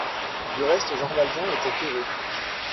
Du reste, Jean Valjean était heureux.